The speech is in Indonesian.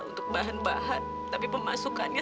untuk bahan bahan tapi pemasukannya